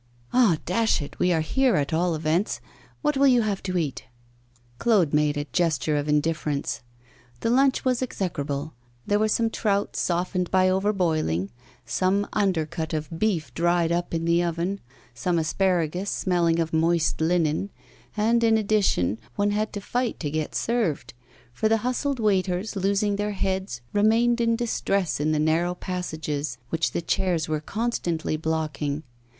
'Ah! dash it! we are here at all events. What will you have to eat?' Claude made a gesture of indifference. The lunch was execrable; there was some trout softened by over boiling, some undercut of beef dried up in the oven, some asparagus smelling of moist linen, and, in addition, one had to fight to get served; for the hustled waiters, losing their heads, remained in distress in the narrow passages which the chairs were constantly blocking.